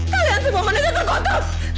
kalian semua menegakkan kutub